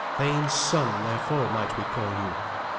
Thane's son, therefore, might we call you.